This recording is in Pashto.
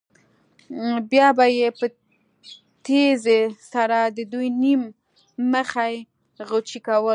بیا به یې په تېزۍ سره د دوی نیم مخي غچي کول.